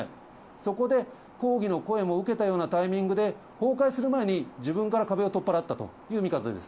そこで、抗議の声も受けたようなタイミングで、崩壊する前に、自分から壁を取っ払ったという見方です。